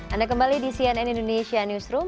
anda kembali di cnn indonesia newsroom